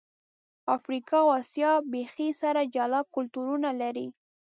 افریقا او آسیا بیخي سره جلا کلتورونه لري.